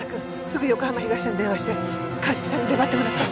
すぐ横浜東署に電話して鑑識さんに出張ってもらって。